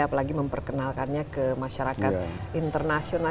apalagi memperkenalkannya ke masyarakat internasional